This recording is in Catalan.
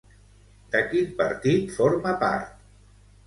De quin partit forma part?